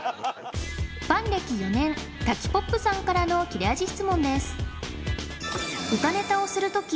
ファン歴４年たきぽっぷさんからの切れ味質問です